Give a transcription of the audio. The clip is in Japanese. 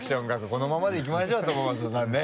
このままでいきましょう朝将さんね。